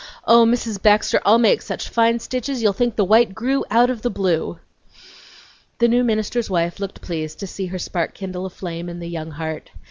"Oh, Mrs. Baxter, I'll make such fine stitches you'll think the white grew out of the blue!" The new minister's wife looked pleased to see her spark kindle a flame in the young heart.